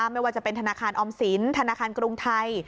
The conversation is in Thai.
ไม่ว่าจะเป็นธนาคารออมสินธนาคารกรุงไทย